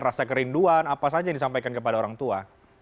rasa kerinduan apa saja yang disampaikan kepada orang tua